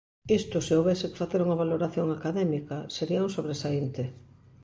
Isto, se houbese que facer unha valoración académica, sería un sobresaínte.